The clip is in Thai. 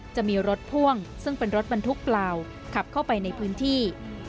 จะมีรถพ่วงซึ่งเป็นรถบรรทุกเปล่าขับเข้าไปในพื้นที่